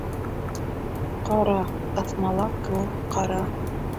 Ҡара, ыҫмала кеүек ҡара.